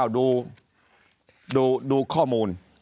ดูข้อมูล